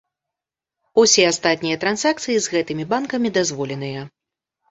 Усе астатнія трансакцыі з гэтымі банкамі дазволеныя.